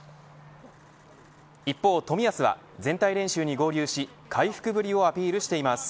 一方、冨安は全体練習に合流し回復ぶりをアピールしています。